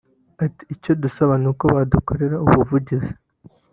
Ati “ Icyo dusaba ni uko badukorera ubuvugizi